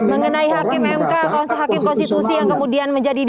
mengenai hakim mk hakim konstitusi yang kemudian menjadi